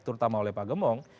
terutama oleh pak gemong